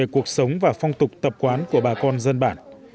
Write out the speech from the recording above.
cuộc sống và phong tục tập quán của bà con dân bản